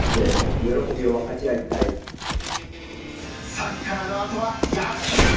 サッカーのあとは野球。